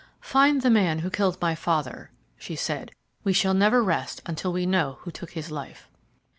"Find the man who killed my father," she said; "we shall never rest until we know who took his life."